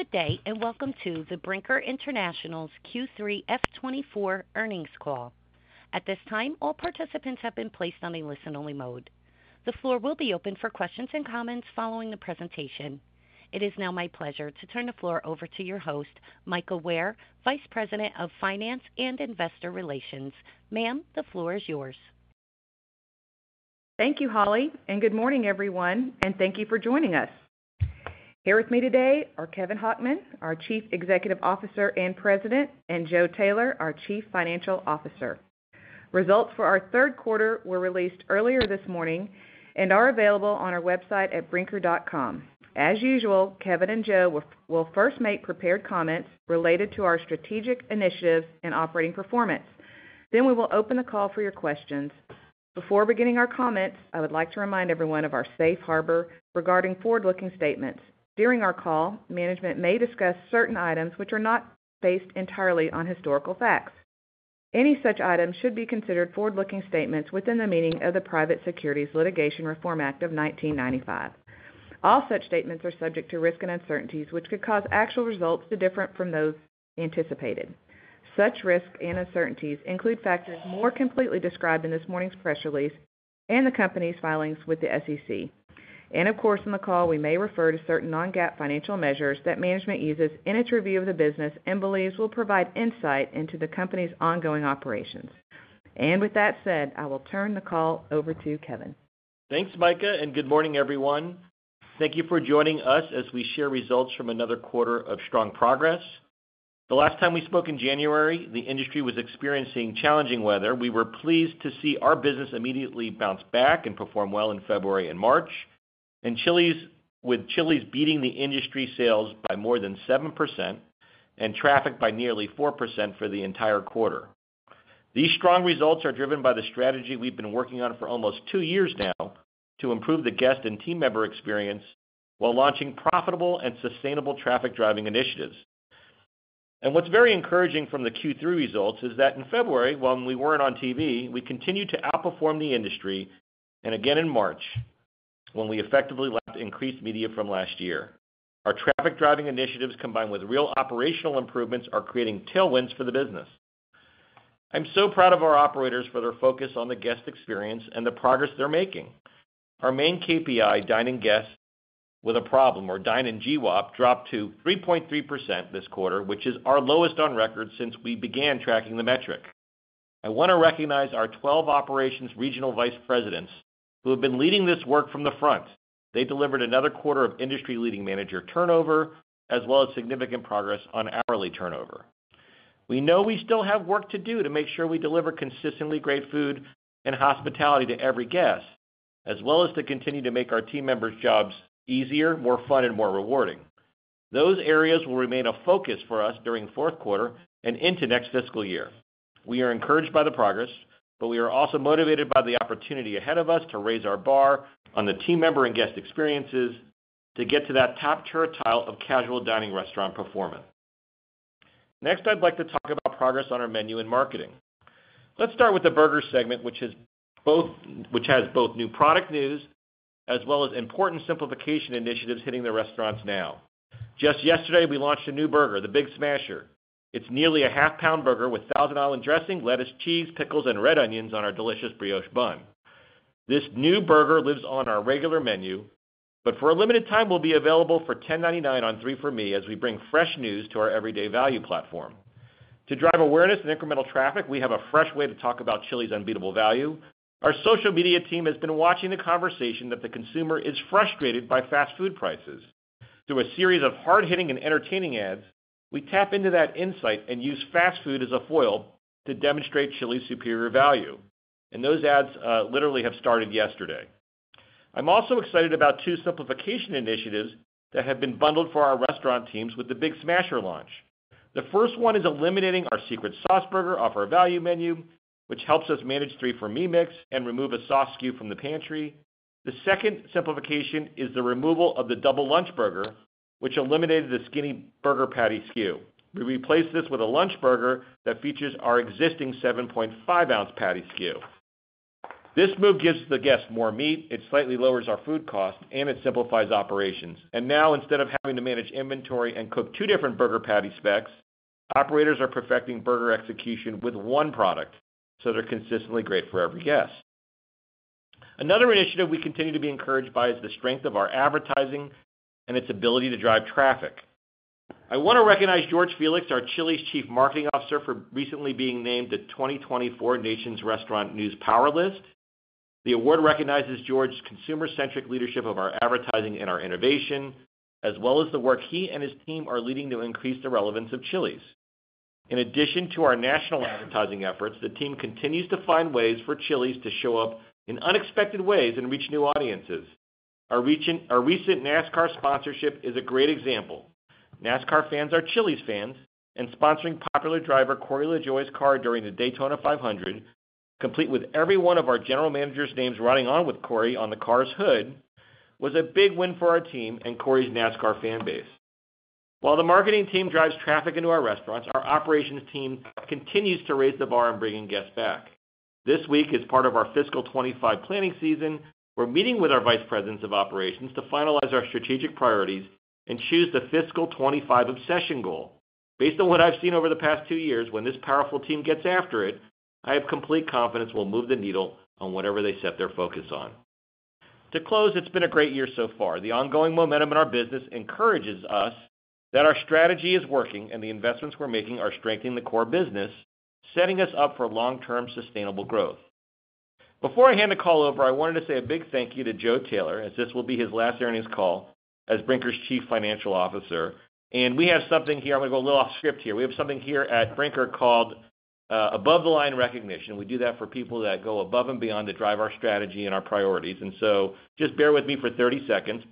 Good day, and welcome to the Brinker International's Q3 FY 2024 earnings call. At this time, all participants have been placed on a listen-only mode. The floor will be open for questions and comments following the presentation. It is now my pleasure to turn the floor over to your host, Mika Ware, Vice President of Finance and Investor Relations. Ma'am, the floor is yours. Thank you, Holly, and good morning, everyone, and thank you for joining us. Here with me today are Kevin Hochman, our Chief Executive Officer and President, and Joe Taylor, our Chief Financial Officer. Results for our third quarter were released earlier this morning and are available on our website at brinker.com. As usual, Kevin and Joe will first make prepared comments related to our strategic initiatives and operating performance. Then we will open the call for your questions. Before beginning our comments, I would like to remind everyone of our safe harbor regarding forward-looking statements. During our call, management may discuss certain items which are not based entirely on historical facts. Any such items should be considered forward-looking statements within the meaning of the Private Securities Litigation Reform Act of 1995. All such statements are subject to risks and uncertainties which could cause actual results to differ from those anticipated. Such risks and uncertainties include factors more completely described in this morning's press release and the company's filings with the SEC. Of course, on the call, we may refer to certain non-GAAP financial measures that management uses in its review of the business and believes will provide insight into the company's ongoing operations. With that said, I will turn the call over to Kevin. Thanks, Mika, and good morning, everyone. Thank you for joining us as we share results from another quarter of strong progress. The last time we spoke in January, the industry was experiencing challenging weather. We were pleased to see our business immediately bounce back and perform well in February and March, and Chili's—with Chili's beating the industry sales by more than 7% and traffic by nearly 4% for the entire quarter. These strong results are driven by the strategy we've been working on for almost 2 years now to improve the guest and team member experience while launching profitable and sustainable traffic-driving initiatives. What's very encouraging from the Q3 results is that in February, when we weren't on TV, we continued to outperform the industry, and again in March, when we effectively increased media from last year. Our traffic-driving initiatives, combined with real operational improvements, are creating tailwinds for the business. I'm so proud of our operators for their focus on the guest experience and the progress they're making. Our main KPI, dine-in guests with a problem or dine-in GWAP, dropped to 3.3% this quarter, which is our lowest on record since we began tracking the metric. I want to recognize our 12 operations regional vice presidents, who have been leading this work from the front. They delivered another quarter of industry-leading manager turnover, as well as significant progress on hourly turnover. We know we still have work to do to make sure we deliver consistently great food and hospitality to every guest, as well as to continue to make our team members' jobs easier, more fun, and more rewarding. Those areas will remain a focus for us during fourth quarter and into next fiscal year. We are encouraged by the progress, but we are also motivated by the opportunity ahead of us to raise our bar on the team member and guest experiences to get to that top-tier tile of casual dining restaurant performance. Next, I'd like to talk about progress on our menu and marketing. Let's start with the burger segment, which has both new product news as well as important simplification initiatives hitting the restaurants now. Just yesterday, we launched a new burger, the Big Smasher. It's nearly a half-pound burger with Thousand Island dressing, lettuce, cheese, pickles, and red onions on our delicious brioche bun. This new burger lives on our regular menu, but for a limited time, will 3 For Me as we bring fresh news to our everyday value platform. To drive awareness and incremental traffic, we have a fresh way to talk about Chili's unbeatable value. Our social media team has been watching the conversation that the consumer is frustrated by fast food prices. Through a series of hard-hitting and entertaining ads, we tap into that insight and use fast food as a foil to demonstrate Chili's superior value. And those ads, literally have started yesterday. I'm also excited about two simplification initiatives that have been bundled for our restaurant teams with the Big Smasher launch. The first one is eliminating our Secret Sauce Burger off our value 3 For Me mix and remove a sauce sku from the pantry. The second simplification is the removal of the Double Lunch Burger, which eliminated the skinny burger patty SKU. We replaced this with a Lunch Burger that features our existing 7.5 oz patty SKU. This move gives the guest more meat, it slightly lowers our food cost, and it simplifies operations. And now, instead of having to manage inventory and cook two different burger patty specs, operators are perfecting burger execution with one product, so they're consistently great for every guest. Another initiative we continue to be encouraged by is the strength of our advertising and its ability to drive traffic. I want to recognize George Felix, our Chili's Chief Marketing Officer, for recently being named the 2024 Nation's Restaurant News Power List. The award recognizes George's consumer-centric leadership of our advertising and our innovation, as well as the work he and his team are leading to increase the relevance of Chili's. In addition to our national advertising efforts, the team continues to find ways for Chili's to show up in unexpected ways and reach new audiences. Our recent NASCAR sponsorship is a great example. NASCAR fans are Chili's fans, and sponsoring popular driver Corey LaJoie's car during the Daytona 500, complete with every one of our general manager's names riding on with Corey on the car's hood, was a big win for our team and Corey's NASCAR fan base. While the marketing team drives traffic into our restaurants, our operations team continues to raise the bar on bringing guests back. This week, as part of our fiscal 2025 planning season, we're meeting with our vice presidents of operations to finalize our strategic priorities and choose the fiscal 2025 obsession goal. Based on what I've seen over the past two years, when this powerful team gets after it, I have complete confidence we'll move the needle on whatever they set their focus on. To close, it's been a great year so far. The ongoing momentum in our business encourages us that our strategy is working, and the investments we're making are strengthening the core business, setting us up for long-term sustainable growth. Before I hand the call over, I wanted to say a big thank you to Joe Taylor, as this will be his last earnings call as Brinker's Chief Financial Officer, and we have something here. I'm going to go a little off script here. We have something here at Brinker called Above the Line Recognition. We do that for people that go above and beyond to drive our strategy and our priorities. So just bear with me for 30 seconds.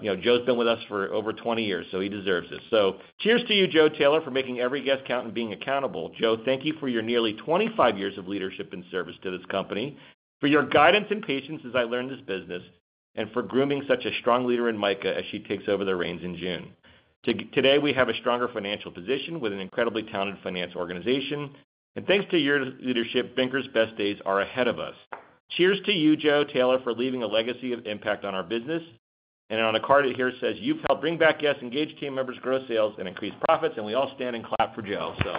You know, Joe's been with us for over 20 years, so he deserves this. So cheers to you, Joe Taylor, for making every guest count and being accountable. Joe, thank you for your nearly 25 years of leadership and service to this company, for your guidance and patience as I learned this business, and for grooming such a strong leader in Mika as she takes over the reins in June. Today, we have a stronger financial position with an incredibly talented finance organization, and thanks to your leadership, Brinker's best days are ahead of us. Cheers to you, Joe Taylor, for leaving a legacy of impact on our business. On a card here, it says, "You've helped bring back guests, engage team members, grow sales, and increase profits," and we all stand and clap for Joe so.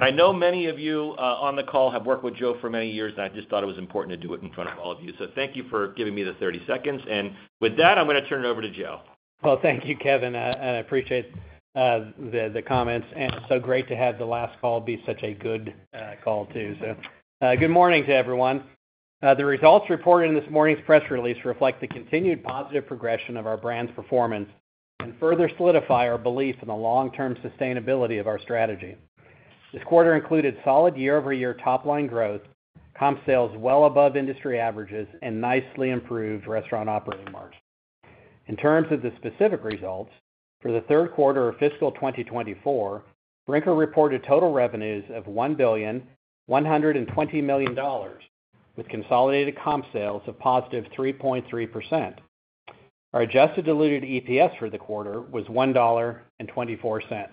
I know many of you on the call have worked with Joe for many years, and I just thought it was important to do it in front of all of you. So thank you for giving me the 30 seconds. And with that, I'm going to turn it over to Joe. Well, thank you, Kevin, and I appreciate the comments, and it's so great to have the last call be such a good call, too. So, good morning to everyone. The results reported in this morning's press release reflect the continued positive progression of our brand's performance and further solidify our belief in the long-term sustainability of our strategy. This quarter included solid year-over-year top-line growth, comp sales well above industry averages, and nicely improved restaurant operating margin. In terms of the specific results, for the third quarter of fiscal 2024, Brinker reported total revenues of $1.12 billion, with consolidated comp sales of +3.3%. Our adjusted diluted EPS for the quarter was $1.24.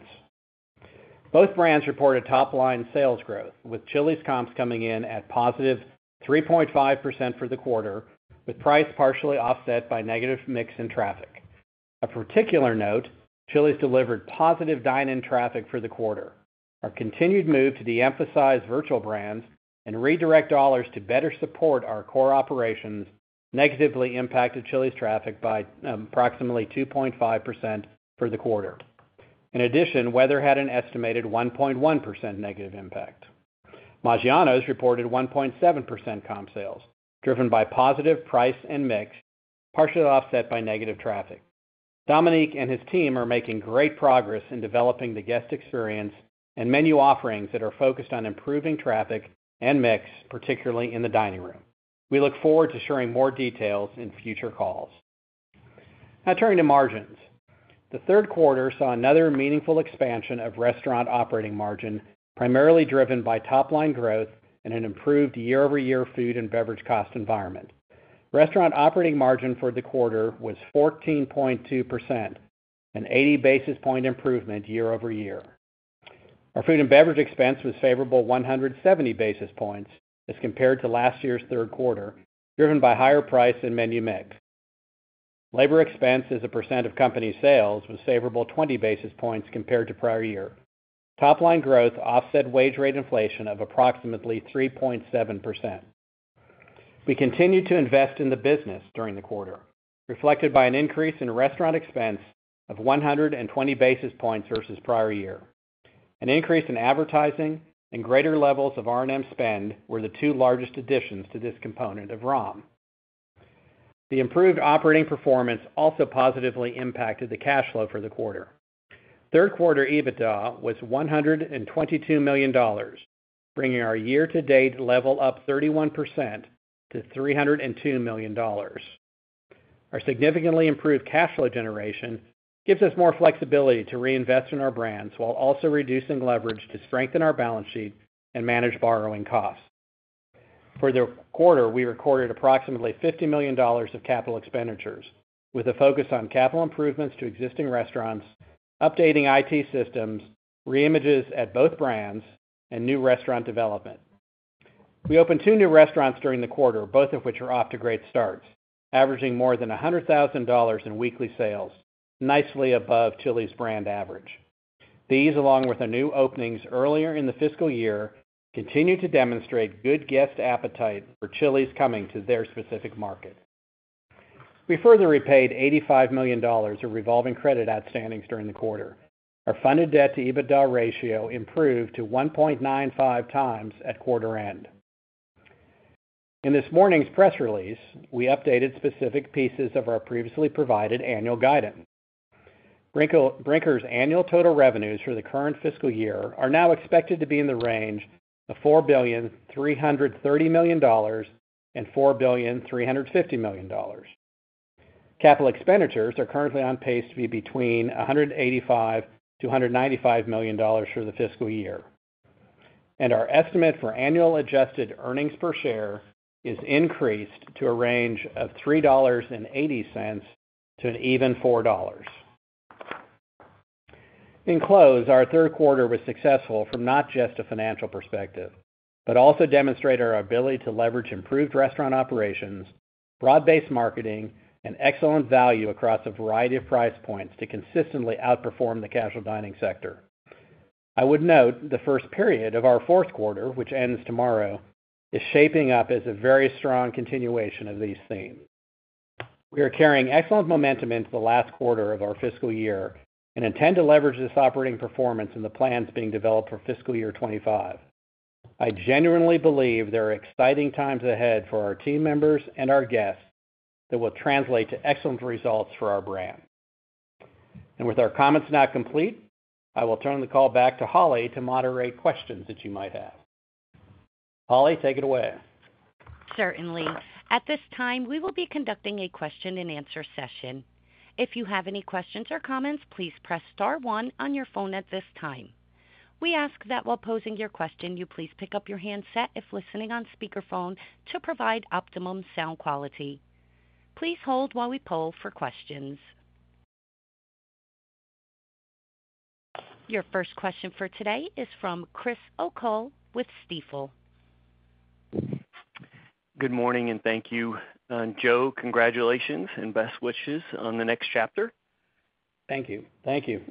Both brands reported top-line sales growth, with Chili's comps coming in at +3.5% for the quarter, with price partially offset by negative mix in traffic. Of particular note, Chili's delivered positive dine-in traffic for the quarter. Our continued move to de-emphasize virtual brands and redirect dollars to better support our core operations negatively impacted Chili's traffic by approximately 2.5% for the quarter. In addition, weather had an estimated -1.1% impact. Maggiano's reported 1.7% comp sales, driven by positive price and mix, partially offset by negative traffic. Dominique and his team are making great progress in developing the guest experience and menu offerings that are focused on improving traffic and mix, particularly in the dining room. We look forward to sharing more details in future calls. Now turning to margins. The third quarter saw another meaningful expansion of restaurant operating margin, primarily driven by top-line growth and an improved year-over-year food and beverage cost environment. Restaurant operating margin for the quarter was 14.2%, an 80 basis points improvement year-over-year. Our food and beverage expense was favorable 170 basis points as compared to last year's third quarter, driven by higher price and menu mix. Labor expense as a percent of company sales was favorable 20 basis points compared to prior year. Top-line growth offset wage rate inflation of approximately 3.7%. We continued to invest in the business during the quarter, reflected by an increase in restaurant expense of 120 basis points versus prior year. An increase in advertising and greater levels of R&M spend were the two largest additions to this component of ROM. The improved operating performance also positively impacted the cash flow for the quarter. Third quarter EBITDA was $122 million, bringing our year-to-date level up 31% to $302 million. Our significantly improved cash flow generation gives us more flexibility to reinvest in our brands while also reducing leverage to strengthen our balance sheet and manage borrowing costs. For the quarter, we recorded approximately $50 million of capital expenditures, with a focus on capital improvements to existing restaurants, updating IT systems, reimages at both brands, and new restaurant development. We opened two new restaurants during the quarter, both of which are off to great starts, averaging more than $100,000 in weekly sales, nicely above Chili's brand average. These, along with the new openings earlier in the fiscal year, continue to demonstrate good guest appetite for Chili's coming to their specific market. We further repaid $85 million of revolving credit outstandings during the quarter. Our funded debt to EBITDA ratio improved to 1.95x at quarter end. In this morning's press release, we updated specific pieces of our previously provided annual guidance. Brinker, Brinker's annual total revenues for the current fiscal year are now expected to be in the range of $4.33 billion-$4.35 billion. Capital expenditures are currently on pace to be between $185 million-$195 million for the fiscal year. Our estimate for annual adjusted earnings per share is increased to a range of $3.80-$4. In closing, our third quarter was successful from not just a financial perspective, but also demonstrate our ability to leverage improved restaurant operations, broad-based marketing, and excellent value across a variety of price points to consistently outperform the casual dining sector. I would note the first period of our fourth quarter, which ends tomorrow, is shaping up as a very strong continuation of these themes. We are carrying excellent momentum into the last quarter of our fiscal year and intend to leverage this operating performance in the plans being developed for fiscal year 2025. I genuinely believe there are exciting times ahead for our team members and our guests that will translate to excellent results for our brand. With our comments now complete, I will turn the call back to Holly to moderate questions that you might have. Holly, take it away. Certainly. At this time, we will be conducting a question-and-answer session. If you have any questions or comments, please press star one on your phone at this time. We ask that while posing your question, you please pick up your handset if listening on speakerphone to provide optimum sound quality. Please hold while we poll for questions. Your first question for today is from Chris O'Cull with Stifel. Good morning and thank you. Joe, congratulations and best wishes on the next chapter. Thank you. Thank you.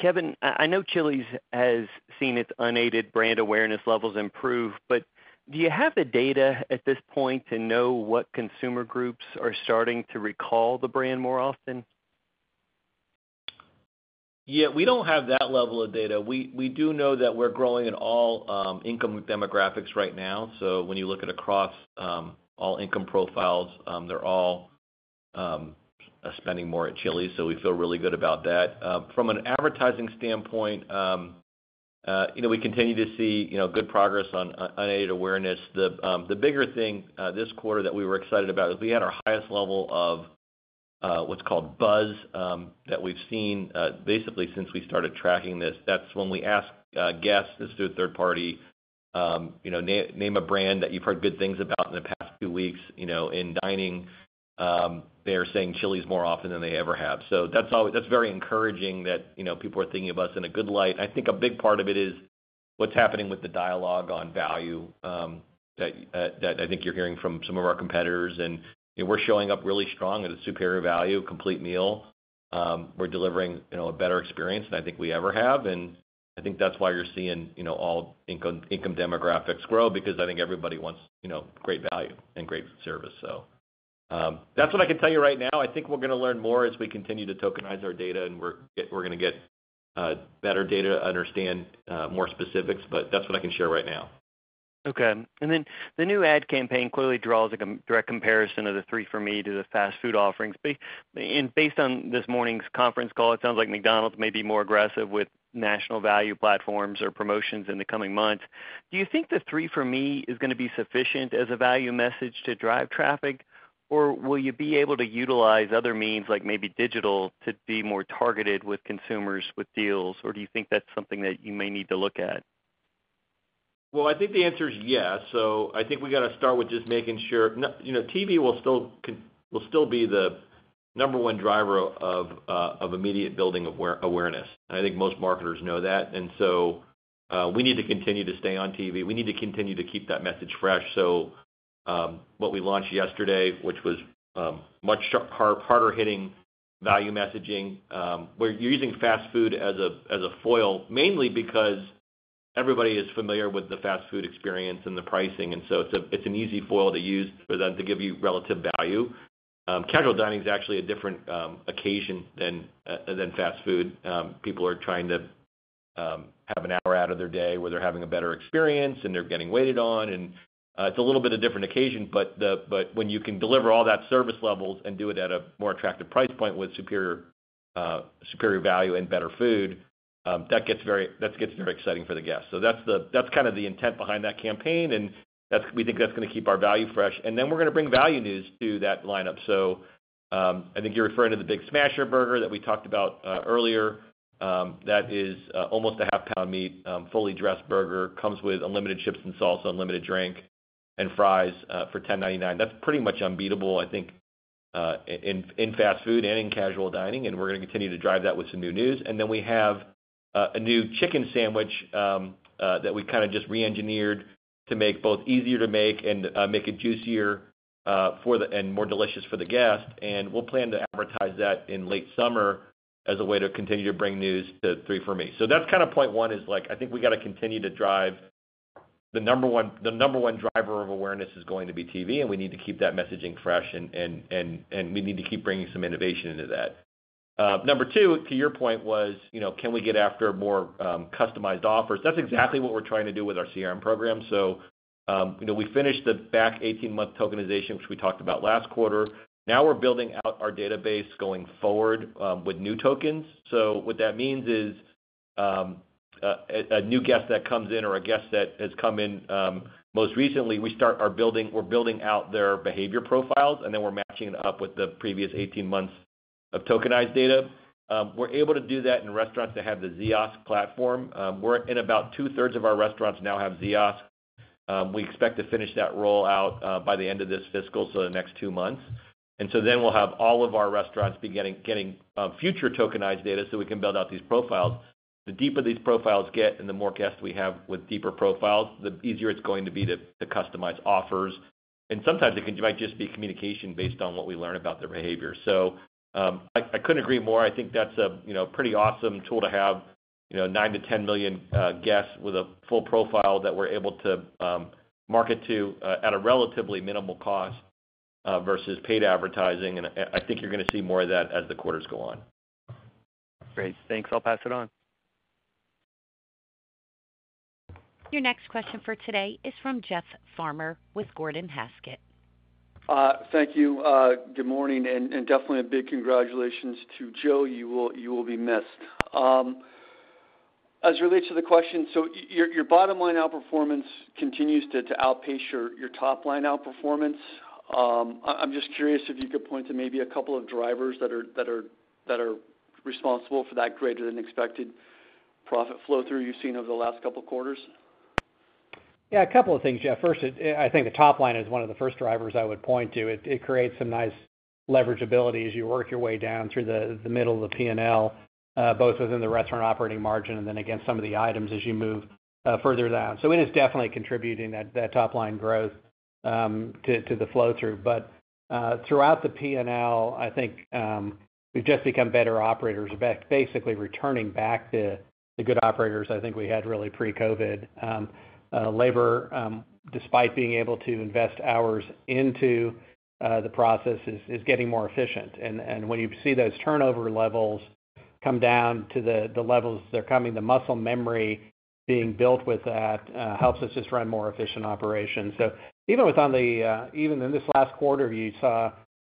Kevin, I know Chili's has seen its unaided brand awareness levels improve, but do you have the data at this point to know what consumer groups are starting to recall the brand more often? Yeah, we don't have that level of data. We do know that we're growing in all income demographics right now. So when you look across all income profiles, they're all spending more at Chili's, so we feel really good about that. From an advertising standpoint, you know, we continue to see, you know, good progress on unaided awareness. The bigger thing this quarter that we were excited about is we had our highest level of what's called buzz that we've seen basically since we started tracking this. That's when we ask guests, this is through a third party, you know, name a brand that you've heard good things about in the past few weeks, you know, in dining. They're saying Chili's more often than they ever have. So that's always... That's very encouraging that, you know, people are thinking of us in a good light. I think a big part of it is what's happening with the dialogue on value, that I think you're hearing from some of our competitors, and we're showing up really strong at a superior value, complete meal. We're delivering, you know, a better experience than I think we ever have, and I think that's why you're seeing, you know, all income demographics grow, because I think everybody wants, you know, great value and great service. So, that's what I can tell you right now. I think we're gonna learn more as we continue to tokenize our data, and we're gonna get better data to understand more specifics, but that's what I can share right now. Okay. And then the new ad campaign clearly draws a direct comparison 3 For Me to the fast food offerings. And based on this morning's conference call, it sounds like McDonald's may be more aggressive with national value platforms or promotions in the coming months. Do you 3 For Me is gonna be sufficient as a value message to drive traffic, or will you be able to utilize other means, like maybe digital, to be more targeted with consumers with deals, or do you think that's something that you may need to look at? Well, I think the answer is yes. So I think we gotta start with just making sure... you know, TV will still be the number one driver of immediate building awareness. I think most marketers know that, and so, we need to continue to stay on TV. We need to continue to keep that message fresh. So, what we launched yesterday, which was much harder-hitting value messaging, we're using fast food as a foil, mainly because everybody is familiar with the fast food experience and the pricing, and so it's an easy foil to use for them to give you relative value. Casual dining is actually a different occasion than fast food. People are trying to have an hour out of their day, where they're having a better experience, and they're getting waited on, and it's a little bit of different occasion, but the-- but when you can deliver all that service levels and do it at a more attractive price point with superior superior value and better food, that gets very, that gets very exciting for the guests. So that's the-- that's kind of the intent behind that campaign, and that's, we think that's gonna keep our value fresh. And then we're gonna bring value news to that lineup. So, I think you're referring to the Big Smasher Burger that we talked about earlier. That is almost a half-pound meat, fully dressed burger, comes with unlimited chips and salsa, unlimited drink and fries, for $10.99. That's pretty much unbeatable, I think, in fast food and in casual dining, and we're gonna continue to drive that with some new news. And then we have a new chicken sandwich that we kind of just reengineered to make both easier to make and make it juicier and more delicious for the guest. And we'll plan to advertise that in late summer as a way to continue to bring 3 For Me. so that's kind of point one, is like, I think we gotta continue to drive the number one—the number one driver of awareness is going to be TV, and we need to keep that messaging fresh, and we need to keep bringing some innovation into that. Number two, to your point, was, you know, can we get after more customized offers? That's exactly what we're trying to do with our CRM program. So, you know, we finished the back 18-month tokenization, which we talked about last quarter. Now we're building out our database going forward with new tokens. So what that means is, a new guest that comes in or a guest that has come in most recently, we're building out their behavior profiles, and then we're matching it up with the previous 18 months of tokenized data. We're able to do that in restaurants that have the Ziosk platform. We're in about 2/3 of our restaurants now have Ziosk. We expect to finish that rollout by the end of this fiscal, so the next 2 months. So then we'll have all of our restaurants be getting future tokenized data, so we can build out these profiles. The deeper these profiles get and the more guests we have with deeper profiles, the easier it's going to be to customize offers. And sometimes it might just be communication based on what we learn about their behavior. I couldn't agree more. I think that's a, you know, pretty awesome tool to have, you know, 9 million-10 million guests with a full profile that we're able to market to at a relatively minimal cost versus paid advertising. And I think you're gonna see more of that as the quarters go on. Great. Thanks, I'll pass it on. Your next question for today is from Jeff Farmer with Gordon Haskett. Thank you. Good morning, and definitely a big congratulations to Joe. You will be missed. As it relates to the question, your bottom-line outperformance continues to outpace your top-line outperformance. I'm just curious if you could point to maybe a couple of drivers that are responsible for that greater-than-expected profit flow-through you've seen over the last couple quarters? Yeah, a couple of things, Jeff. First, it- I think the top-line is one of the first drivers I would point to. It creates some nice leverageability as you work your way down through the middle of the PNL, both within the restaurant operating margin and then again, some of the items as you move further down. So it is definitely contributing, that top-line growth, to the flow-through. But, throughout the PNL, I think, we've just become better operators. We're basically returning back to the good operators I think we had really pre-COVID. Labor, despite being able to invest hours into the process is getting more efficient. When you see those turnover levels come down to the levels they're coming, the muscle memory being built with that helps us just run more efficient operations. So even in this last quarter, you saw,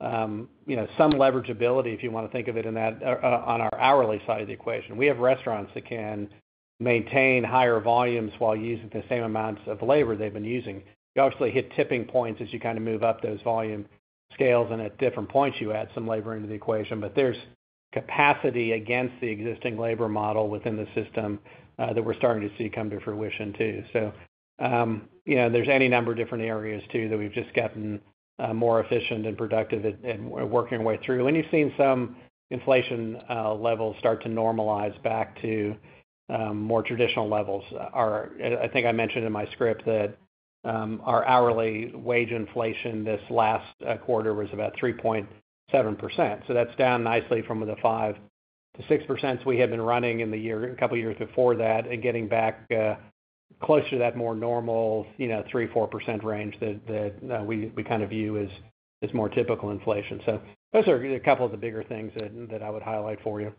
you know, some leverageability, if you wanna think of it in that on our hourly side of the equation. We have restaurants that can maintain higher volumes while using the same amounts of labor they've been using. You obviously hit tipping points as you kind of move up those volume scales, and at different points, you add some labor into the equation. But there's capacity against the existing labor model within the system that we're starting to see come to fruition, too. So, you know, there's any number of different areas, too, that we've just gotten more efficient and productive at, and we're working our way through. And you've seen some inflation levels start to normalize back to more traditional levels. I think I mentioned in my script that our hourly wage inflation this last quarter was about 3.7%. So that's down nicely from the 5%-6% we had been running in the year, a couple of years before that, and getting back closer to that more normal, you know, 3%-4% range that we kind of view as more typical inflation. So those are a couple of the bigger things that I would highlight for you.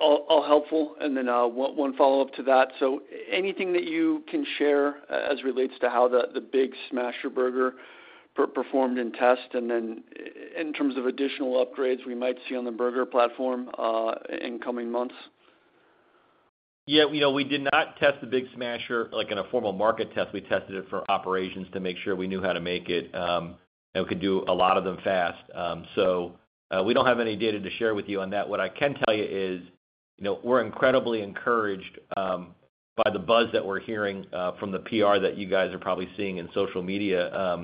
All helpful. And then one follow-up to that: So anything that you can share as relates to how the Big Smasher Burger performed in test, and then in terms of additional upgrades we might see on the burger platform in coming months? Yeah, you know, we did not test the Big Smasher, like, in a formal market test. We tested it for operations to make sure we knew how to make it, and we could do a lot of them fast. So, we don't have any data to share with you on that. What I can tell you is, you know, we're incredibly encouraged, by the buzz that we're hearing, from the PR that you guys are probably seeing in social media.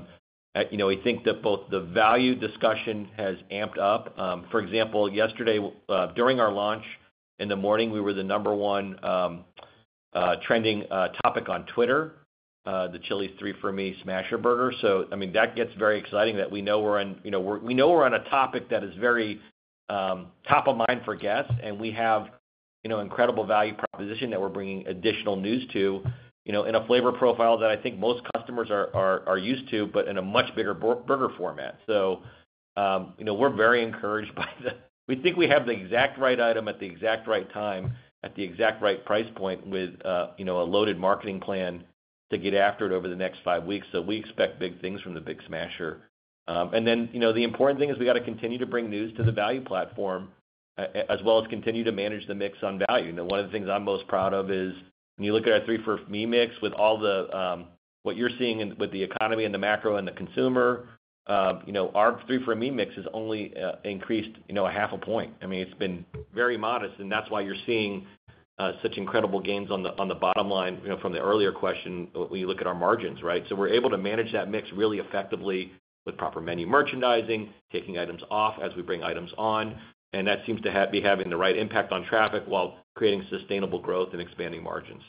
You know, we think that both the value discussion has amped up. For example, yesterday, during our launch in the morning, we were the number one, trending, topic on twitter, the 3 For Me smasher burger. So, I mean, that gets very exciting, that we know we're on, you know, we're on a topic that is very top of mind for guests, and we have, you know, incredible value proposition that we're bringing additional news to, you know, in a flavor profile that I think most customers are used to, but in a much bigger burger format. So, you know, we're very encouraged by the. We think we have the exact right item at the exact right time, at the exact right price point with, you know, a loaded marketing plan to get after it over the next five weeks. So we expect big things from the Big Smasher. And then, you know, the important thing is we got to continue to bring news to the value platform, as well as continue to manage the mix on value. You know, one of the things I'm most proud of is, when you look 3 For Me mix with all the, what you're seeing with the economy and the macro and the consumer, you 3 For Me mix has only increased, you know, a half a point. I mean, it's been very modest, and that's why you're seeing such incredible gains on the bottom line, you know, from the earlier question, when you look at our margins, right? We're able to manage that mix really effectively with proper menu merchandising, taking items off as we bring items on, and that seems to be having the right impact on traffic while creating sustainable growth and expanding margins.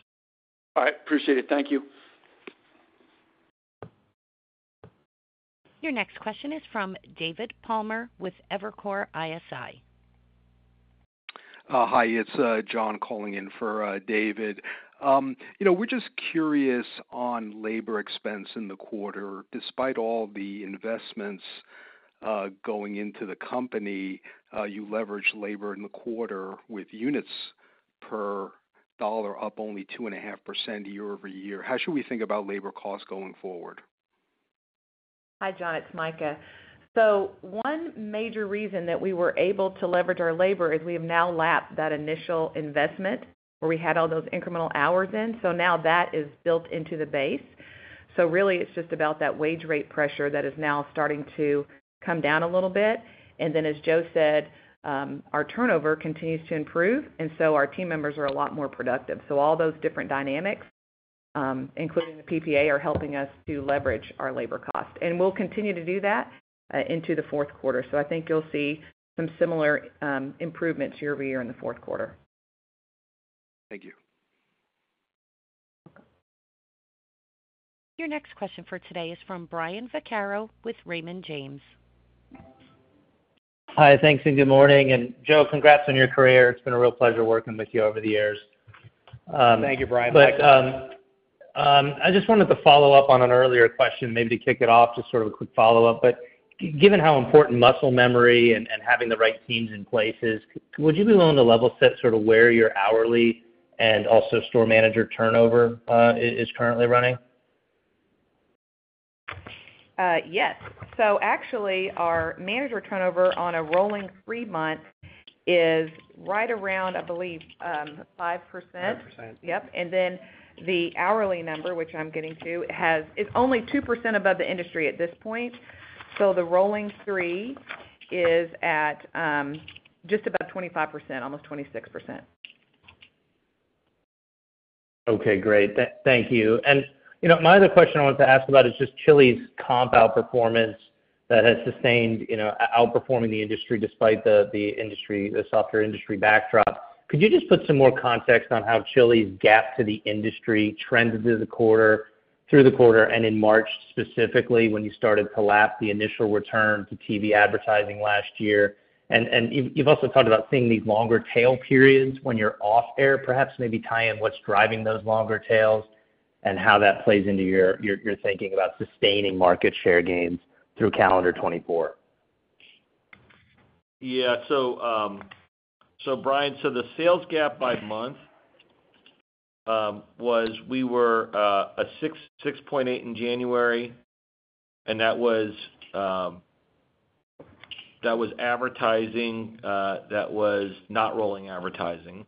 All right, appreciate it. Thank you. Your next question is from David Palmer with Evercore ISI. Hi, it's John calling in for David. You know, we're just curious on labor expense in the quarter. Despite all the investments going into the company, you leveraged labor in the quarter with units per dollar up only 2.5% year-over-year. How should we think about labor costs going forward? Hi, John, it's Mika. So one major reason that we were able to leverage our labor is we have now lapped that initial investment, where we had all those incremental hours in. So now that is built into the base. So really, it's just about that wage rate pressure that is now starting to come down a little bit. And then, as Joe said, our turnover continues to improve, and so our team members are a lot more productive. So all those different dynamics, including the PPA, are helping us to leverage our labor cost, and we'll continue to do that, into the fourth quarter. So I think you'll see some similar, improvements year-over-year in the fourth quarter. Thank you. Your next question for today is from Brian Vaccaro with Raymond James. Hi, thanks, and good morning. Joe, congrats on your career. It's been a real pleasure working with you over the years. Thank you, Brian. I just wanted to follow up on an earlier question, maybe to kick it off, just sort of a quick follow-up. Given how important muscle memory and having the right teams in place is, would you be willing to level set sort of where your hourly and also store manager turnover is currently running? Yes. So actually, our manager turnover on a rolling three-month is right around, I believe, 5%. 5%. Yep. And then the hourly number, which I'm getting to, is only 2% above the industry at this point. So the rolling three is at, just about 25%, almost 26%. Okay, great. Thank you. And, you know, my other question I wanted to ask about is just Chili's comp outperformance that has sustained, you know, outperforming the industry despite the, the industry, the softer industry backdrop. Could you just put some more context on how Chili's gap to the industry trended through the quarter, through the quarter, and in March, specifically, when you started to lap the initial return to TV advertising last year? And, you've also talked about seeing these longer tail periods when you're off air, perhaps maybe tie in what's driving those longer tails and how that plays into your, your thinking about sustaining market share gains through calendar 2024. Yeah. So, so Brian, the sales gap by month was we were a 6.8% in January, and that was, that was advertising, that was not rolling advertising.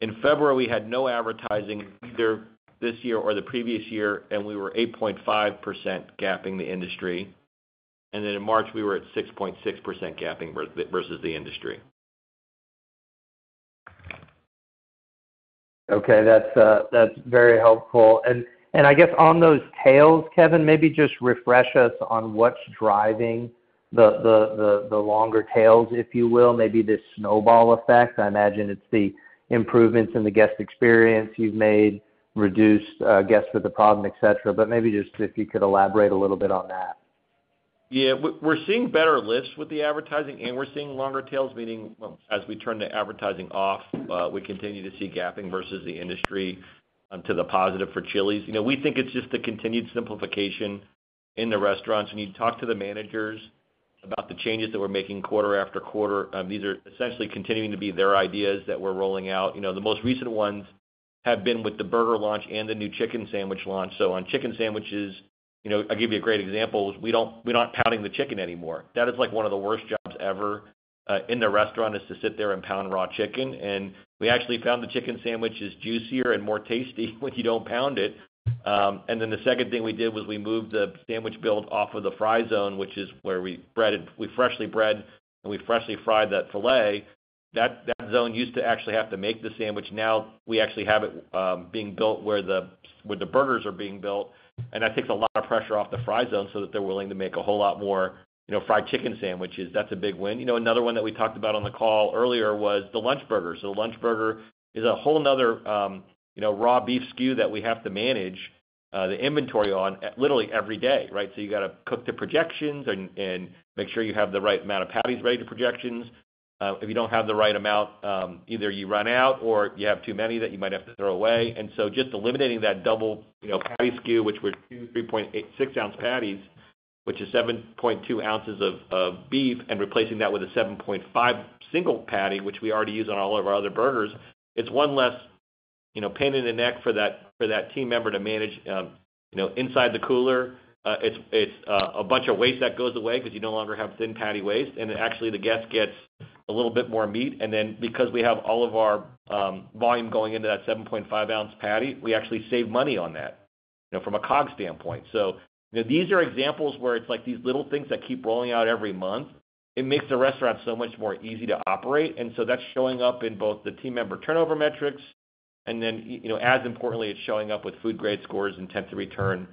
In February, we had no advertising either this year or the previous year, and we were 8.5% gapping the industry. And then in March, we were at 6.6% gapping versus the industry. Okay, that's very helpful. And I guess on those tails, Kevin, maybe just refresh us on what's driving the longer tails, if you will, maybe this snowball effect. I imagine it's the improvements in the guest experience you've made, reduced guests with a problem, et cetera. But maybe just if you could elaborate a little bit on that. Yeah, we're seeing better lifts with the advertising, and we're seeing longer tails, meaning, well, as we turn the advertising off, we continue to see gapping versus the industry to the positive for Chili's. You know, we think it's just the continued simplification in the restaurants. When you talk to the managers about the changes that we're making quarter after quarter, these are essentially continuing to be their ideas that we're rolling out. You know, the most recent ones have been with the burger launch and the new chicken sandwich launch. So on chicken sandwiches, you know, I'll give you a great example, we're not pounding the chicken anymore. That is like one of the worst jobs ever in the restaurant, is to sit there and pound raw chicken, and we actually found the chicken sandwich is juicier and more tasty when you don't pound it. And then the second thing we did was we moved the sandwich build off of the fry zone, which is where we breaded. We freshly bread, and we freshly fried that filet. That zone used to actually have to make the sandwich. Now we actually have it being built where the, where the burgers are being built, and that takes a lot of pressure off the fry zone so that they're willing to make a whole lot more, you know, fried chicken sandwiches. That's a big win. You know, another one that we talked about on the call earlier was the Lunch Burger. So the Lunch Burger is a whole another, you know, raw beef SKU that we have to manage, the inventory on literally every day, right? So you got to cook to projections and make sure you have the right amount of patties ready to projections. If you don't have the right amount, either you run out or you have too many that you might have to throw away. And so just eliminating that double, you know, patty SKU, which were two 3.6 oz patties, which is 7.2 oz of beef, and replacing that with a 7.5 single patty, which we already use on all of our other burgers, it's one less, you know, pain in the neck for that team member to manage, you know, inside the cooler. It's a bunch of waste that goes away because you no longer have thin patty waste, and actually, the guest gets a little bit more meat. And then, because we have all of our volume going into that 7.5 oz patty, we actually save money on that, you know, from a COG standpoint. So, you know, these are examples where it's like these little things that keep rolling out every month. It makes the restaurant so much more easy to operate. And so that's showing up in both the team member turnover metrics and then, you know, as importantly, it's showing up with food grade scores, intent to return, and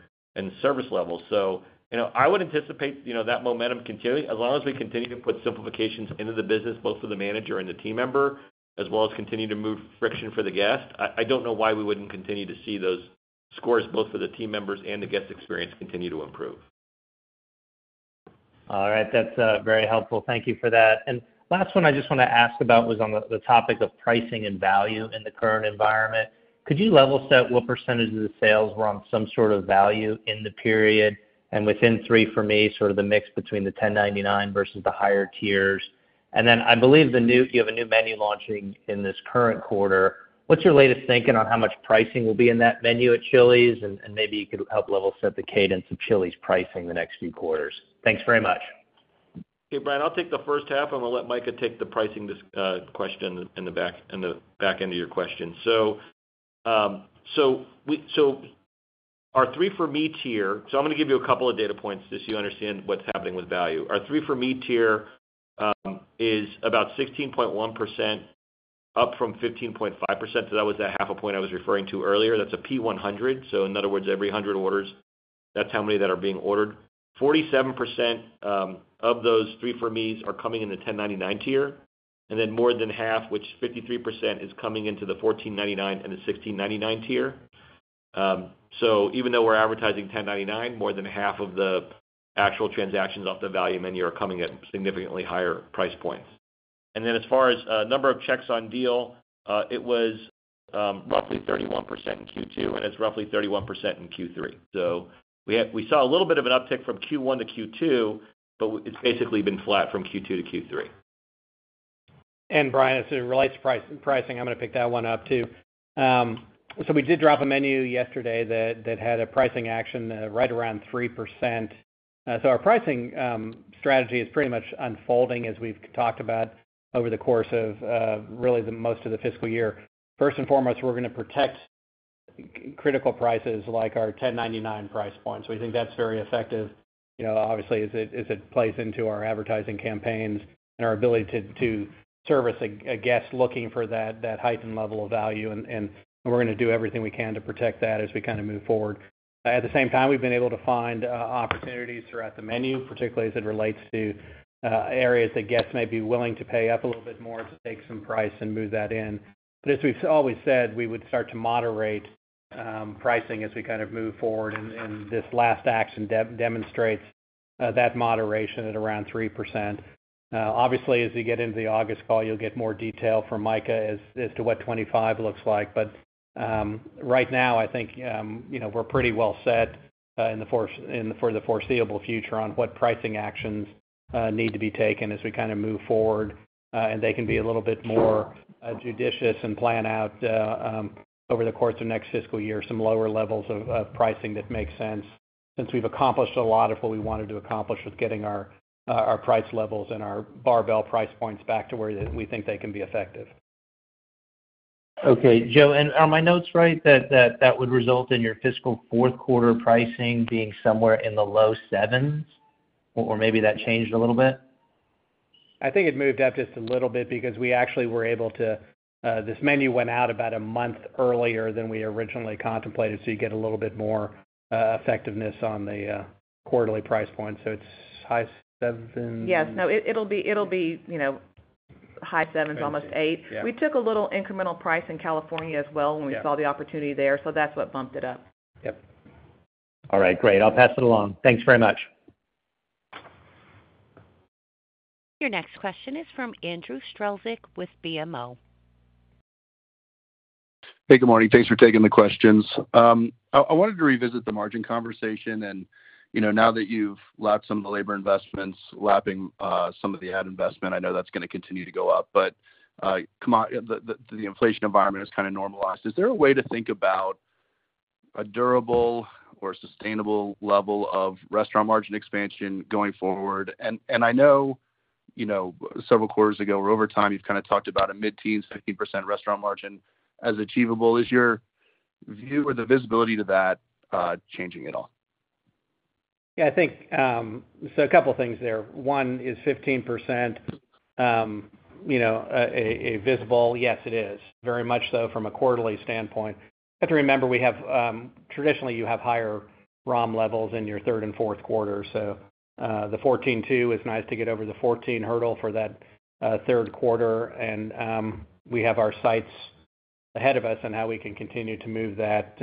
service levels. So, you know, I would anticipate, you know, that momentum continuing as long as we continue to put simplifications into the business, both for the manager and the team member, as well as continue to move friction for the guest. I, I don't know why we wouldn't continue to see those scores, both for the team members and the guest experience, continue to improve. All right. That's very helpful. Thank you for that. Last one I just want to ask about was on the topic of pricing and value in the current environment. Could you level set what percentage of the sales were on some sort of value in the period 3 For Me, sort of the mix between the $10.99 versus the higher tiers? And then I believe the new you have a new menu launching in this current quarter. What's your latest thinking on how much pricing will be in that menu at Chili's? And maybe you could help level set the cadence of Chili's pricing the next few quarters. Thanks very much. Hey, Brian, I'll take the first half, and I'll let Mika take the pricing discussion question in the back 3 For Me tier. so i'm going to give you a couple of data points, just so you 3 For Me tier is about 16.1%, up from 15.5%. So that was that half a point I was referring to earlier. That's a P100. So in other words, every 100 orders, that's how many that are being 3 For Me's are coming in the $10.99 tier, and then more than half, which 53%, is coming into the $14.99 and the $16.99 tier. So even though we're advertising $10.99, more than half of the actual transactions off the value menu are coming at significantly higher price points. And then as far as number of checks on deal, it was roughly 31% in Q2, and it's roughly 31% in Q3. So we saw a little bit of an uptick from Q1 to Q2, but it's basically been flat from Q2 to Q3. Brian, as it relates to pricing, I'm going to pick that one up, too. So we did drop a menu yesterday that had a pricing action right around 3%. So our pricing strategy is pretty much unfolding as we've talked about over the course of really the most of the fiscal year. First and foremost, we're going to protect critical prices like our $10.99 price point. So we think that's very effective. You know, obviously, as it plays into our advertising campaigns and our ability to service a guest looking for that heightened level of value, and we're going to do everything we can to protect that as we kind of move forward. At the same time, we've been able to find opportunities throughout the menu, particularly as it relates to areas that guests may be willing to pay up a little bit more to take some price and move that in. But as we've always said, we would start to moderate pricing as we kind of move forward, and this last action demonstrates that moderation at around 3%. Obviously, as we get into the August call, you'll get more detail from Mika as to what 25 looks like. But right now, I think, you know, we're pretty well set for the foreseeable future on what pricing actions need to be taken as we kind of move forward, and they can be a little bit more judicious and plan out over the course of next fiscal year some lower levels of pricing that make sense, since we've accomplished a lot of what we wanted to accomplish with getting our price levels and our barbell price points back to where we think they can be effective. Okay, Joe, and are my notes right, that would result in your fiscal fourth quarter pricing being somewhere in the low sevens? Or maybe that changed a little bit? I think it moved up just a little bit because we actually were able to. This menu went out about a month earlier than we originally contemplated, so you get a little bit more effectiveness on the quarterly price point. So it's high sevens? Yes. No, it'll be, you know, high sevens, almost eight. Yeah. We took a little incremental price in California as well- Yeah When we saw the opportunity there, so that's what bumped it up. Yep. All right, great. I'll pass it along. Thanks very much. Your next question is from Andrew Strelzik, with BMO. Hey, good morning. Thanks for taking the questions. I wanted to revisit the margin conversation, and, you know, now that you've lapped some of the labor investments, lapping some of the ad investment, I know that's going to continue to go up. But the inflation environment is kind of normalized. Is there a way to think about a durable or sustainable level of restaurant margin expansion going forward? And I know, you know, several quarters ago, or over time, you've kind of talked about a mid-teens, 15% restaurant margin as achievable. Is your view or the visibility to that changing at all? Yeah, I think, so a couple of things there. One is 15%, you know, a visible, yes, it is. Very much so from a quarterly standpoint. But remember, we have traditionally, you have higher ROM levels in your third and fourth quarter, so the 14.2% is nice to get over the 14% hurdle for that third quarter. And we have our sights ahead of us on how we can continue to move that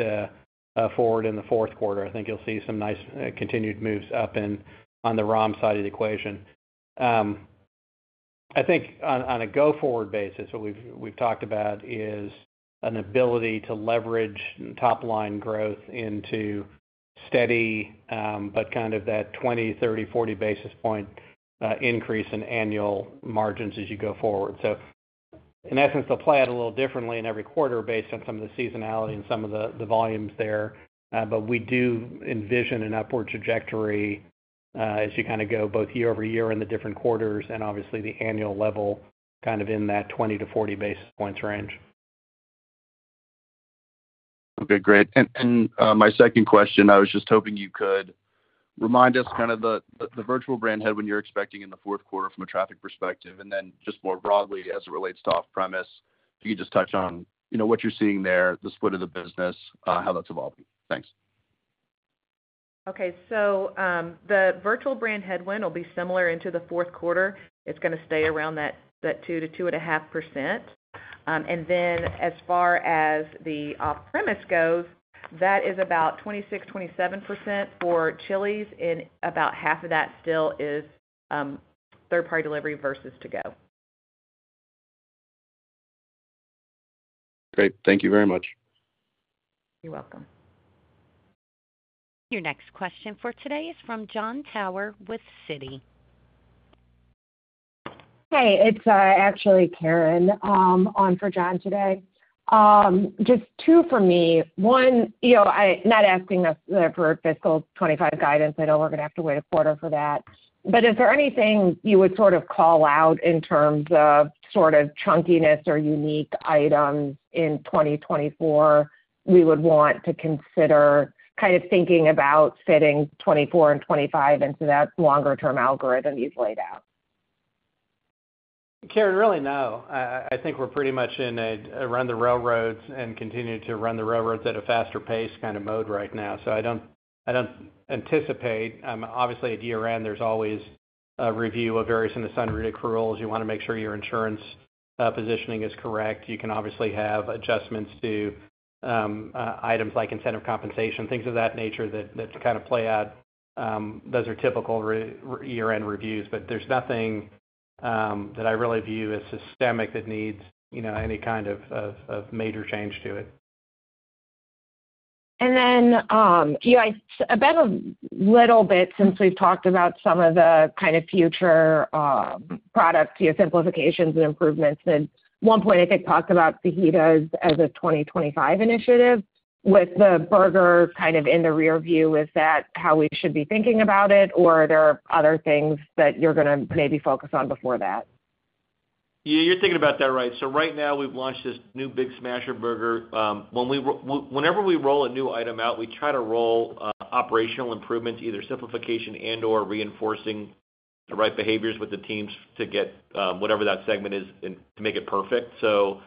forward in the fourth quarter. I think you'll see some nice continued moves up in, on the ROM side of the equation. I think on a go-forward basis, what we've talked about is an ability to leverage top-line growth into steady, but kind of that 20, 30, 40 basis point increase in annual margins as you go forward. So in essence, they'll play out a little differently in every quarter based on some of the seasonality and some of the volumes there. But we do envision an upward trajectory, as you kind of go both year-over-year in the different quarters and obviously the annual level, kind of in that 20-40 basis points range. Okay, great. My second question, I was just hoping you could remind us kind of the virtual brand headwind you're expecting in the fourth quarter from a traffic perspective, and then just more broadly, as it relates to off-premise, if you could just touch on, you know, what you're seeing there, the split of the business, how that's evolving? Thanks. Okay. So, the virtual brand headwind will be similar into the fourth quarter. It's going to stay around that 2%-2.5%. And then as far as the off-premise goes, that is about 26%-27% for Chili's, and about half of that still is third-party delivery versus to-go. Great. Thank you very much. You're welcome. Your next question for today is from Jon Tower with Citi. Hey, it's actually Karen on for John today. Just two for me. One, you know, I'm not asking for fiscal 2025 guidance. I know we're gonna have to wait a quarter for that. But is there anything you would sort of call out in terms of sort of chunkiness or unique items in 2024 we would want to consider kind of thinking about fitting 2024 and 2025 into that longer-term algorithm you've laid out? Karen, really, no. I think we're pretty much in a run the railroads and continue to run the railroads at a faster pace kind of mode right now. So I don't anticipate. Obviously, at year-end, there's always a review of various and estimates and accruals. You wanna make sure your insurance positioning is correct. You can obviously have adjustments to items like incentive compensation, things of that nature, that kind of play out. Those are typical year-end reviews, but there's nothing that I really view as systemic that needs, you know, any kind of major change to it. And then, about a little bit, since we've talked about some of the kind of future products, you know, simplifications and improvements, and at one point, I think, talked about fajitas as a 2025 initiative with the burger kind of in the rear view. Is that how we should be thinking about it, or are there other things that you're gonna maybe focus on before that? Yeah, you're thinking about that right. So right now, we've launched this new Big Smasher Burger. Whenever we roll a new item out, we try to roll operational improvements, either simplification and/or reinforcing the right behaviors with the teams to get whatever that segment is and to make it perfect. So,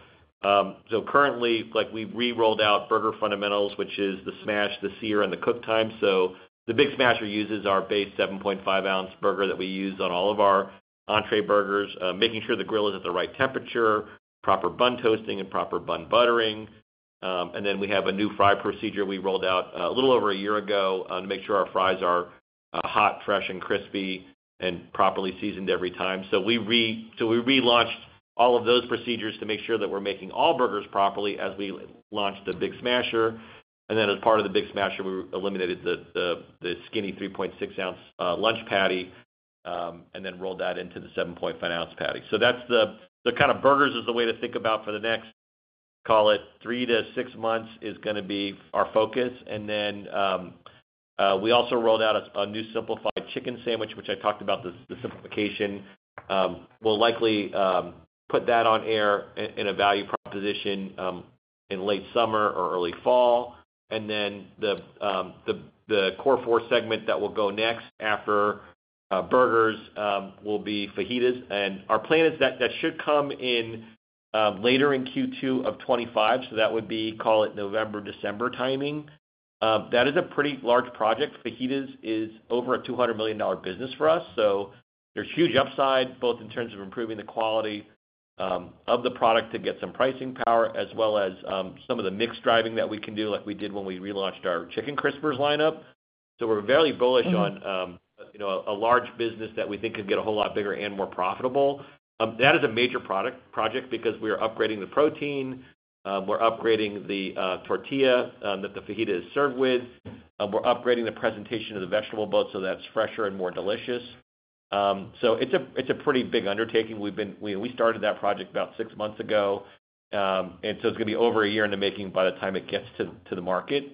so currently, like, we've re-rolled out burger fundamentals, which is the smash, the sear, and the cook time. So the Big Smasher uses our base 7.5 oz burger that we use on all of our entree burgers, making sure the grill is at the right temperature, proper bun toasting and proper bun buttering. And then we have a new fry procedure we rolled out a little over a year ago to make sure our fries are hot, fresh, and crispy, and properly seasoned every time. So we relaunched all of those procedures to make sure that we're making all burgers properly as we launched the Big Smasher. And then, as part of the Big Smasher, we eliminated the skinny 3.6 oz lunch patty and then rolled that into the 7.5 oz patty. So that's the kind of burgers is the way to think about for the next, call it 3-6 months, is gonna be our focus. And then we also rolled out a new simplified chicken sandwich, which I talked about the simplification. We'll likely put that on air in a value proposition in late summer or early fall. Then the Core 4 segment that will go next after burgers will be fajitas. Our plan is that that should come in later in Q2 of 2025, so that would be, call it November, December timing. That is a pretty large project. Fajitas is over a $200 million business for us, so there's huge upside, both in terms of improving the quality of the product to get some pricing power, as well as some of the mix driving that we can do, like we did when we relaunched our Chicken Crispers lineup. So we're very bullish on, you know, a large business that we think could get a whole lot bigger and more profitable. That is a major project because we are upgrading the protein, we're upgrading the tortilla that the fajita is served with. We're upgrading the presentation of the vegetable boat, so that's fresher and more delicious. So it's a pretty big undertaking. We started that project about six months ago, and so it's gonna be over a year in the making by the time it gets to the market.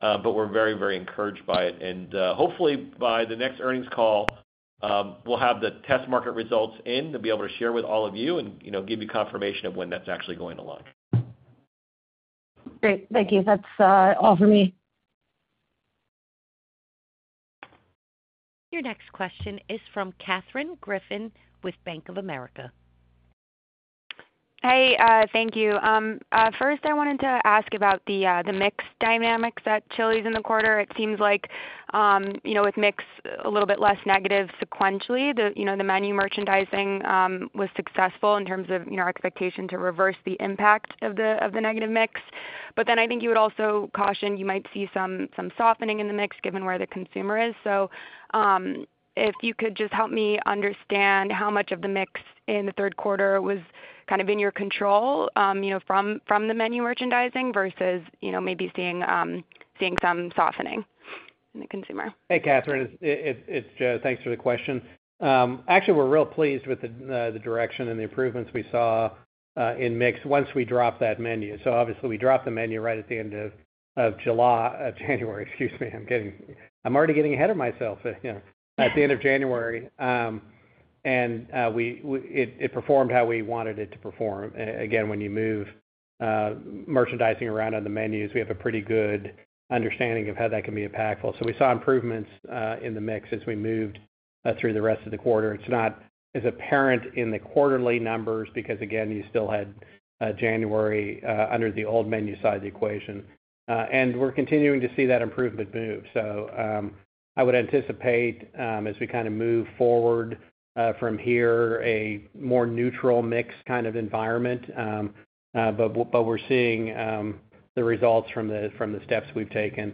But we're very, very encouraged by it. And hopefully, by the next earnings call, we'll have the test market results in to be able to share with all of you and, you know, give you confirmation of when that's actually going to launch. Great. Thank you. That's all for me. Your next question is from Katherine Griffin with Bank of America. Hey, thank you. First, I wanted to ask about the mix dynamics at Chili's in the quarter. It seems like, you know, with mix a little bit less negative sequentially, the menu merchandising was successful in terms of our expectation to reverse the impact of the negative mix. But then I think you would also caution you might see some softening in the mix given where the consumer is. So, if you could just help me understand how much of the mix in the third quarter was kind of in your control, you know, from the menu merchandising versus, you know, maybe seeing some softening in the consumer. Hey, Katherine, it's Joe. Thanks for the question. Actually, we're real pleased with the direction and the improvements we saw in mix once we dropped that menu. So obviously, we dropped the menu right at the end of July, January, excuse me, I'm getting ahead of myself, you know. At the end of January, and we it performed how we wanted it to perform. Again, when you move merchandising around on the menus, we have a pretty good understanding of how that can be impactful. So we saw improvements in the mix as we moved through the rest of the quarter. It's not as apparent in the quarterly numbers because, again, you still had January under the old menu side of the equation. And we're continuing to see that improvement move. So, I would anticipate, as we kinda move forward, from here, a more neutral mix kind of environment. But we're seeing the results from the steps we've taken.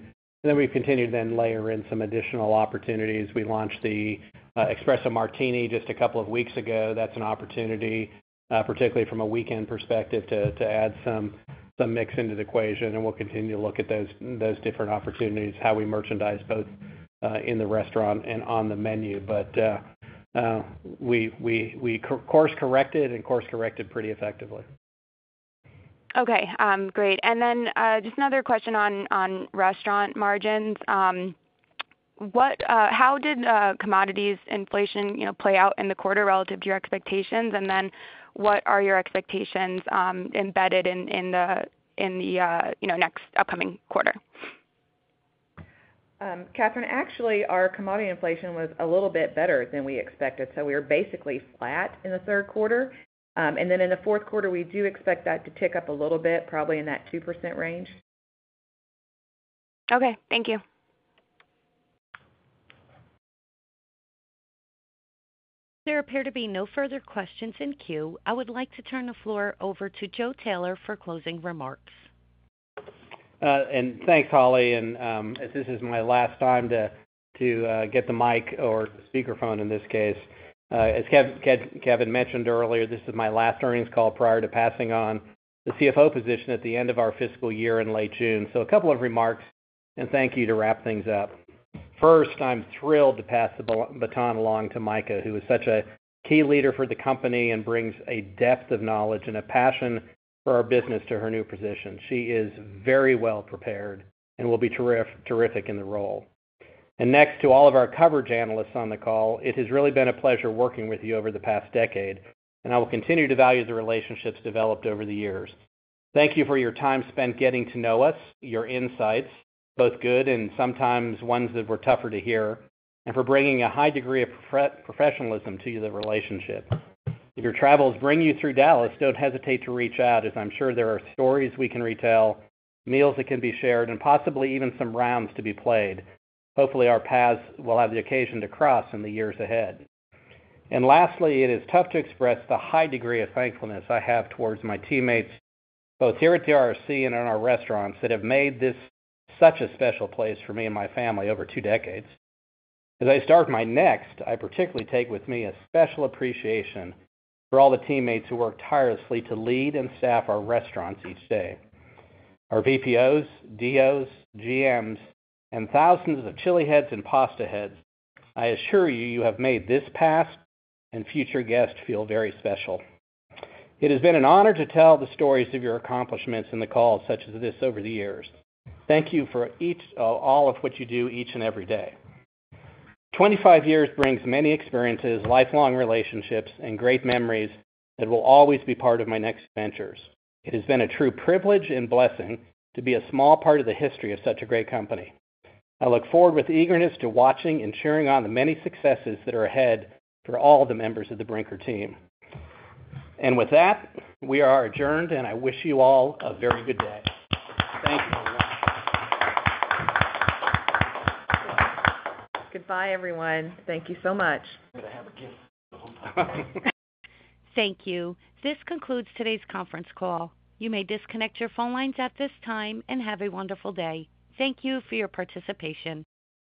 And then we've continued to then layer in some additional opportunities. We launched the Espresso Martini just a couple of weeks ago. That's an opportunity, particularly from a weekend perspective, to add some mix into the equation, and we'll continue to look at those different opportunities, how we merchandise both in the restaurant and on the menu. But we course-corrected and course-corrected pretty effectively. Okay, great. And then, just another question on restaurant margins. What, how did commodities inflation, you know, play out in the quarter relative to your expectations? And then what are your expectations embedded in the, you know, next upcoming quarter? Katherine, actually, our commodity inflation was a little bit better than we expected, so we were basically flat in the third quarter. And then in the fourth quarter, we do expect that to tick up a little bit, probably in that 2% range. Okay, thank you. There appear to be no further questions in queue. I would like to turn the floor over to Joe Taylor for closing remarks. And thanks, Holly. And, as this is my last time to get the mic or speakerphone in this case. As Kevin mentioned earlier, this is my last earnings call prior to passing on the CFO position at the end of our fiscal year in late June. So a couple of remarks, and thank you to wrap things up. First, I'm thrilled to pass the baton along to Mika, who is such a key leader for the company and brings a depth of knowledge and a passion for our business to her new position. She is very well prepared and will be terrific in the role. And next, to all of our coverage analysts on the call, it has really been a pleasure working with you over the past decade, and I will continue to value the relationships developed over the years. Thank you for your time spent getting to know us, your insights, both good and sometimes ones that were tougher to hear, and for bringing a high degree of professionalism to the relationship. If your travels bring you through Dallas, don't hesitate to reach out, as I'm sure there are stories we can retell, meals that can be shared, and possibly even some rounds to be played. Hopefully, our paths will have the occasion to cross in the years ahead. Lastly, it is tough to express the high degree of thankfulness I have towards my teammates, both here at RSC and in our restaurants, that have made this such a special place for me and my family over two decades. As I start my next, I particularly take with me a special appreciation for all the teammates who work tirelessly to lead and staff our restaurants each day. Our VPOs, DOs, GMs, and thousands of ChiliHeads and Pastaheads, I assure you, you have made this past and future guests feel very special. It has been an honor to tell the stories of your accomplishments in the calls such as this over the years. Thank you for each, all of what you do each and every day. 25 years brings many experiences, lifelong relationships, and great memories that will always be part of my next ventures. It has been a true privilege and blessing to be a small part of the history of such a great company. I look forward with eagerness to watching and cheering on the many successes that are ahead for all the members of the Brinker team. And with that, we are adjourned, and I wish you all a very good day. Thank you. Goodbye, everyone. Thank you so much. I'm gonna have a gift. Thank you. This concludes today's conference call. You may disconnect your phone lines at this time and have a wonderful day. Thank you for your participation.